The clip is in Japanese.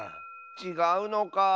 ちがうのか。